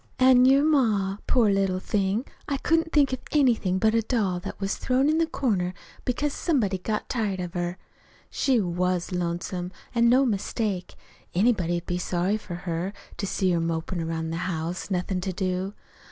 "An' your ma poor little thing! I couldn't think of anything but a doll that was thrown in the corner because somebody'd got tired of her. She was lonesome, an' no mistake. Anybody'd be sorry for her, to see her mopin' 'round the house, nothin' to do.